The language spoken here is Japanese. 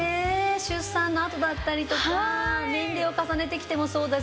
出産のあとだったりとか年齢を重ねてきてもそうだし。